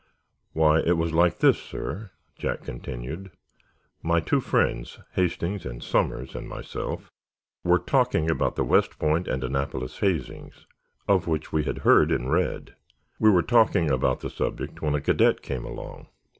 "Why, it was like this, sir," Jack continued. "My two friends—Hastings and Somers—and myself were talking about the West Point and Annapolis hazings, of which we had heard and read. We were talking about the subject when a cadet came along.